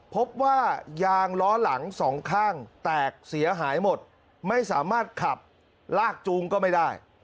พบว่ายางล้อหลังสองข้างแตกเสียหายหมดไม่สามารถขับลากจูงก็ไม่ได้